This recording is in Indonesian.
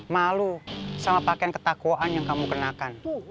malu sama pakaian ketakwaan yang kamu kenakan